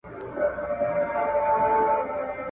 دله غل د کور مالت نه غلا کوي